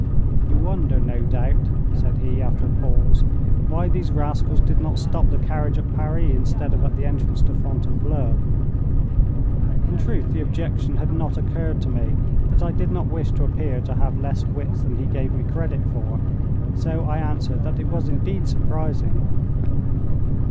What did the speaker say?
'You wonder, no doubt,' said he, after a pause, 'why these rascals did not stop the carriage at Paris instead of at the entrance to Fontainebleau.' In truth, the objection had not occurred to me, but I did not wish to appear to have less wits than he gave me credit for, so I answered that it was indeed surprising.